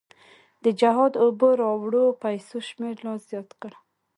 د جهاد اوبو راوړو پیسو شمېر لا زیات کړ.